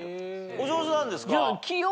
お上手なんですか？